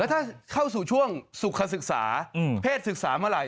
ถ้าเข้าสู่ช่วงสุขศึกษาเพศศึกษาเมื่อไหร